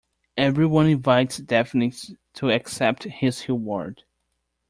Everyone invites Daphnis to accept his reward.